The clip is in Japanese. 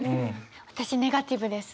私ネガティブです。